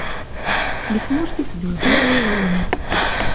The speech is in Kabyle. Deg tmurt i tzewǧem?